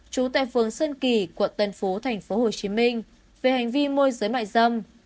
trú tại phường sơn kỳ quận tân phú tp hcm về hành vi môi giới mại dâm